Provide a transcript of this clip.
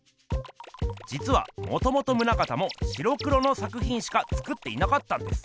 じつはもともと棟方も白黒の作ひんしか作っていなかったんです。